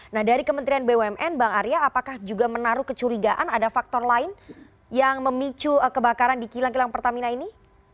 nah dari kementerian bumn bang arya apakah juga menaruh kecurigaan ada faktor lain yang memicu kebakaran di kilang kilang pertamina ini